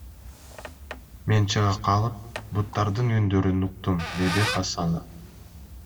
Мен чыга калып буттардын үндөрүн уктум, — деди Хасанов.